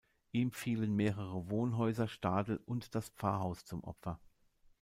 Ihm fielen mehrere Wohnhäuser, Stadel und das Pfarrhaus zum Opfer.